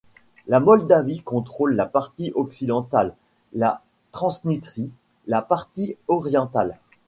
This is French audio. La Moldavie contrôle la partie occidentale, la Transnistrie la partie orientale.